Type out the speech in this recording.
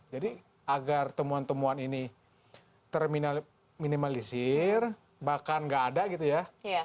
jadi agar temuan temuan ini terminalisir bahkan gak ada gitu ya